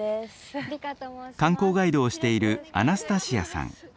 観光ガイドをしているアナスタシアさん。